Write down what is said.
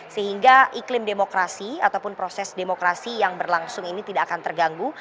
sehingga iklim demokrasi ataupun proses demokrasi yang berlangsung ini tidak akan terganggu